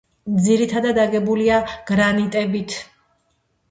ძირითადად აგებულია გრანიტებით.